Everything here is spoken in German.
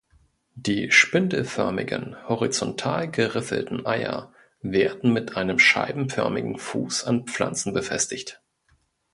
Die spindelförmigen, horizontal geriffelten Eier werden mit einem scheibenförmigen Fuß an Pflanzen befestigt.